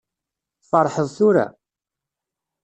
Tferḥeḍ tura?